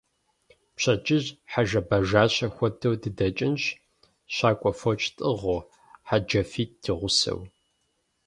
Пщэдджыжь хьэжэбэжащэ хуэдэу дыдэкӀынщ, щакӀуэ фоч тӀыгъыу, хьэджафитӀ ди гъусэу.